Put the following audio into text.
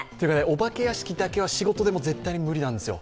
お化け屋敷だけは仕事でも絶対無理なんですよ。